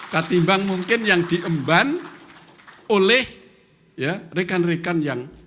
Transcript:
ketimbang mungkin yang diemban oleh rekan rekan yang